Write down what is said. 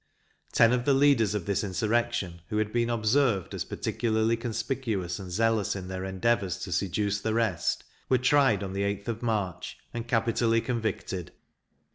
Ten of the leaders of this insurrection, who had been observed as particularly conspicuous and zealous in their endeavours to seduce the rest, were tried on the 8th of March, and capitally convicted.